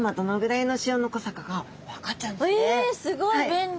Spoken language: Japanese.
えすごい便利。